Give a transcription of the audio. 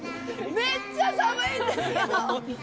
めっちゃ寒いんですけど！